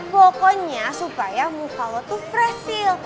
pokoknya supaya muka lo tuh fresh sil